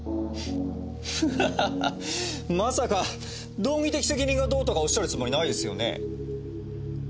ハハハハまさか道義的責任がどうとかおっしゃるつもりないですよね？